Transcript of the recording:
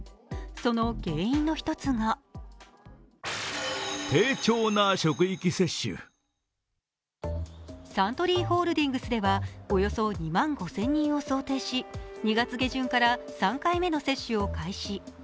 その原因の１つがサントリーホールディングスではおよそ２万５０００人を想定し２月下旬から３回目の接種を開始。